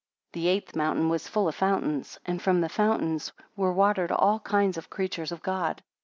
9 The eighth mountain was full of fountains, and from those fountains were watered all kinds of the creatures of Cod.